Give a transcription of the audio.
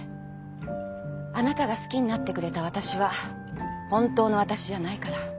あなたが好きになってくれた私は本当の私じゃないから。